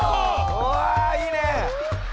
うわいいね。